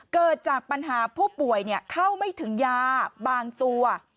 เกิดจากปัญหาผู้ป่วยเข้าไม่ถึงยาบางตัว